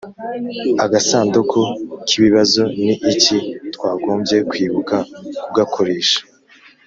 agasanduku k ibibazo ni iki twagombye kwibuka ku gakoresha